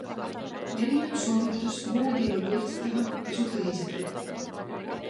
Levinud soovitust voodielu vürtsitada tasub tõsiselt võtta.